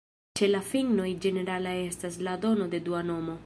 Ĉe la finnoj ĝenerala estas la dono de dua nomo.